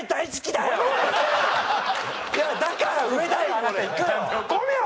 だから上だよ！